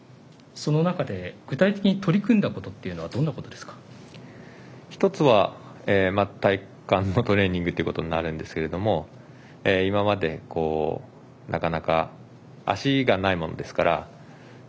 その中で具体的に取り組んだことというのは１つは体幹のトレーニングということになるんですけども今までなかなか足がないものですから